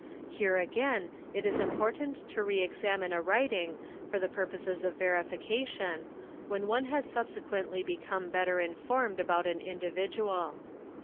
Here again it is important to | re examine a writing for the purposes of verification when one ha subsequently become better informed about an individual.